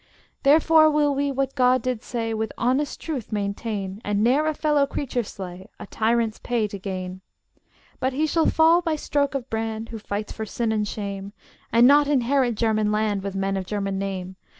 Therefore will we what God did say, With honest truth, maintain, And ne'er a fellow creature slay, A tyrant's pay to gain! But he shall fall by stroke of brand Who fights for sin and shame, And not inherit German land With men of German name.